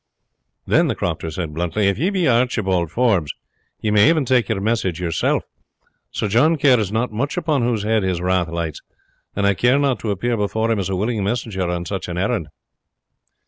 "Then," the crofter said bluntly, "if you be Archibald Forbes, you may even take your message yourself. Sir John cares not much upon whose head his wrath lights, and I care not to appear before him as a willing messenger on such an errand."